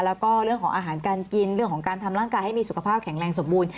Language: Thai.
แล้วก็เรื่องของอาหารการกินเรื่องของการทำร่างกายให้มีสุขภาพแข็งแรงสมบูรณ